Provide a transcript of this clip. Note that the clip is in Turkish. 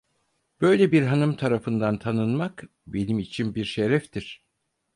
Böyle bir hanım tarafından tanınmak benim için bir şereftir.